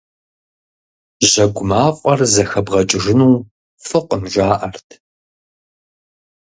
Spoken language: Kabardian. Жьэгу мафӀэр зэхэбгъэкӀыжыну фӀыкъым, жаӀэрт.